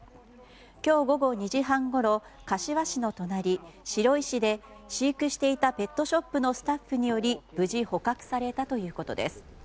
今日午後２時半ごろ、柏市の隣白井市で飼育していたペットショップのスタッフにより無事捕獲されたということです。